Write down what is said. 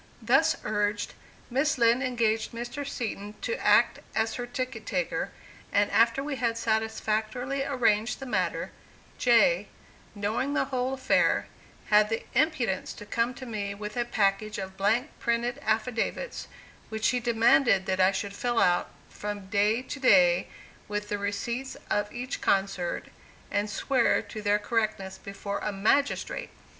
Thus urged, Miss Lind engaged Mr. Seton to act as her ticket taker, and after we had satisfactorily arranged the matter, Jay, knowing the whole affair, had the impudence to come to me with a package of blank printed affidavits, which he demanded that I should fill out, from day to day, with the receipts of each concert, and swear to their correctness before a magistrate!